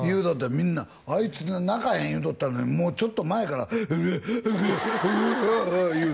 みんなあいつ泣かへん言うとったのにちょっと前から「ううっううっ」「うう」